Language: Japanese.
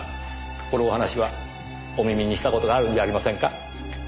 このお話はお耳にした事があるんじゃありませんか？